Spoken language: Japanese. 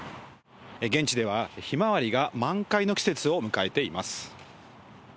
現地では、ヒマワリが満開の季節を迎えています。